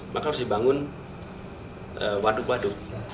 maka harus dibangun waduk waduk